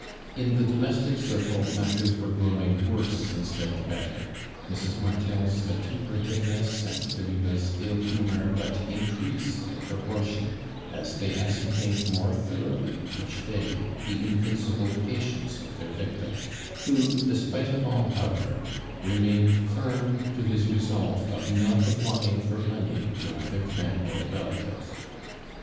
In the domestic circle mat ters were growing worse instead of better, j Mrs. Martel's vituperativeness and Delima's ill humeri' but increased in proportion as they ascertained more thorouglily each day the invincible patience of their victim, who despite of all, however, remained firm to his resolve of not applying for money to either friend or relative.